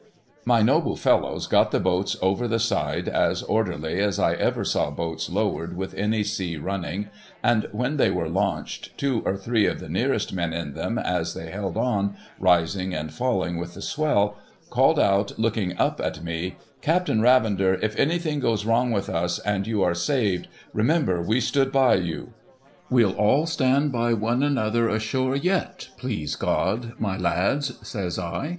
My noble fellows got the boats over the side as orderly as I ever saw boats lowered with any sea running, and, when they were launched, two or three of the nearest men in them as they held on, rising and falling with the swell, called out, looking up at me, ' Captain Ravender, if anything goes wrong with us, and you are saved, remember we stood by you !*—' We'll all stand by one another ashore, yet, please God, my lads !' says I.